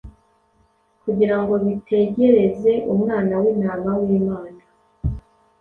kugira ngo bitegereze Umwana w’Intama w’Imana.